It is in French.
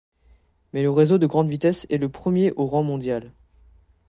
Mais le réseau de grande vitesse est le premier au rang mondial.